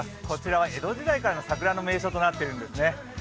こちらは江戸時代からの桜の名所になっているんですね。